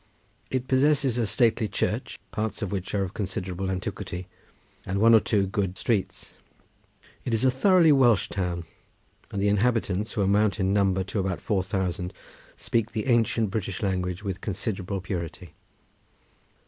It possesses a stately church, parts of which are of considerable antiquity, and one or two good streets. It is a thoroughly Welsh town, and the inhabitants, who amount in number to about four thousand, speak the ancient British language with considerable purity.